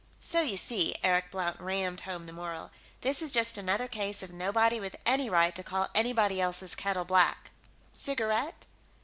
"So you see," Eric Blount rammed home the moral, "this is just another case of nobody with any right to call anybody else's kettle black.... Cigarette?"